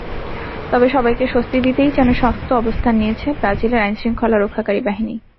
তবে সবাইকে স্বস্তি দিতেই যেন শক্ত অবস্থান নিয়েছে ব্রাজিলের আইনশৃঙ্খলা রক্ষাকারী বাহিনী।